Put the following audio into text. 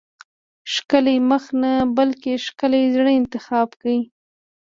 ښکلی مخ نه بلکې ښکلي زړه انتخاب کړه.